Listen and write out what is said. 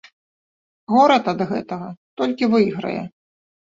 Горад ад гэтага толькі выйграе.